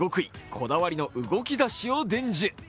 こだわりの動き出しを伝授。